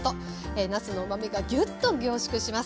なすのうまみがギュッと凝縮します。